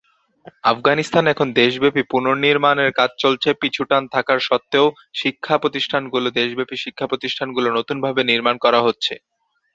আফগানিস্তান এখন দেশব্যাপী পুনঃনির্মাণ এর কাজ চলছে, পিছুটান থাকার সত্বেও শিক্ষার প্রতিষ্ঠান গুলো দেশব্যাপী শিক্ষাপ্রতিষ্ঠান গুলো নতুনভাবে নির্মাণ করা হচ্ছে।